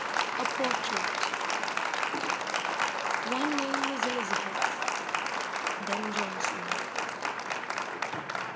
A PORTRAIT. " One name is Elizabeth."— Bkx Jonson.